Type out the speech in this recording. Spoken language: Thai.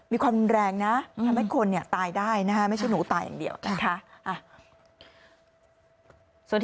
มีความรุนแรงนะทำให้คนตายได้นะคะไม่ใช่หนูตายอย่างเดียวนะคะ